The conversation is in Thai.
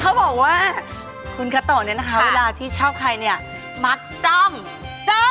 เขาบอกว่าเวลามองดูจะรู้ว่าใครเค้าชอบเรา